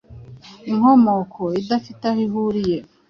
Inkomoko idafite aho ihuriye